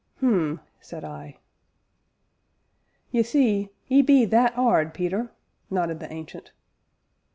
"Hum!" said I. "Ye see 'e be that 'ard, Peter!" nodded the Ancient.